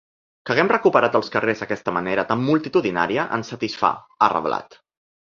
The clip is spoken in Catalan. Que haguem recuperat els carrers d’aquesta manera tan multitudinària ens satisfà, ha reblat.